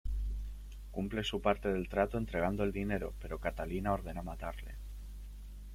Cumple su parte del trato entregando el dinero, pero Catalina ordena matarle.